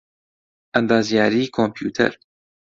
ئەندازیاریی کۆمپیوتەر